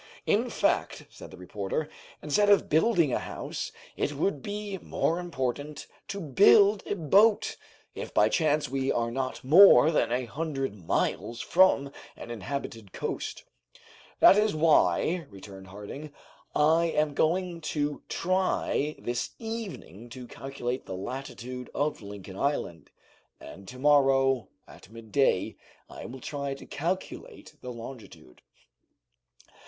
"In fact," said the reporter, "instead of building a house it would be more important to build a boat, if by chance we are not more than a hundred miles from an inhabited coast." "That is why," returned Harding, "I am going to try this evening to calculate the latitude of Lincoln Island, and to morrow, at midday, I will try to calculate the longitude."